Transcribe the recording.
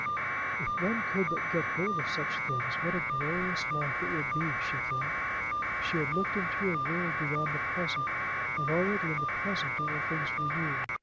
"If one could but get hold of such things, what a glorious life it would be!" she thought. She had looked into a world beyond the present, and already in the present all things were new.